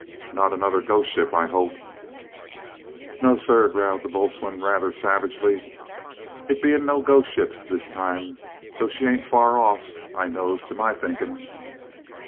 "Not another `ghost ship,' I hope!" "No, sir," growled the boatswain rather savagely. "It bean't no ghost ship this time, though she ain't far off, I knows, to my thinkin'!"